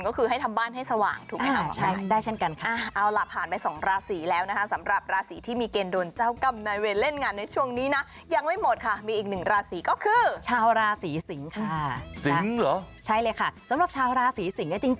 ก็คือให้ทำบ้านให้สว่างถูกไหมคะ